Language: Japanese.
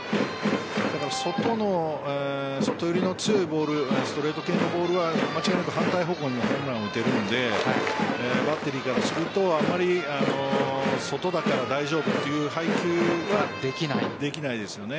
だから外寄りの強いストレート系のボールは間違いなく反対方向にホームランを打てるのでバッテリーからするとあまり外だから大丈夫という配球はできないですよね。